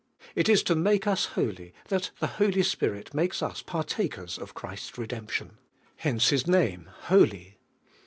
It is to make us holy that the Holy Spirit makes us par inkers of Christ's redemption. Hence His name Holy.